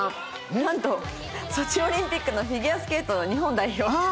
なんとソチオリンピックのフィギュアスケートの日本代表。